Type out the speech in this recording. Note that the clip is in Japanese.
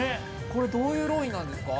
◆これ、どういう料理なんですか。